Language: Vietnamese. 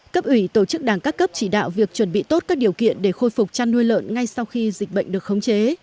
cấp ủy tổ chức đảng các cấp chỉ đạo việc chuẩn bị tốt các điều kiện để khôi phục chăn nuôi lợn ngay sau khi dịch bệnh được khống chế